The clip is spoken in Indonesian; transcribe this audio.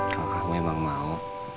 kalau kamu memang mau